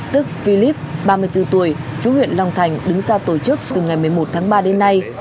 tức philip ba mươi bốn tuổi chú huyện long thành đứng ra tổ chức từ ngày một mươi một tháng ba đến nay